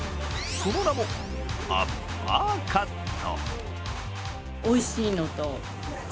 その名もアッパーカット。